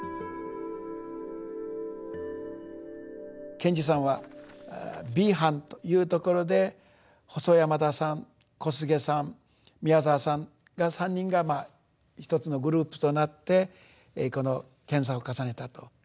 賢治さんはＢ班というところで細山田さん小菅さん宮沢さんが３人が１つのグループとなってこの研さんを重ねたと。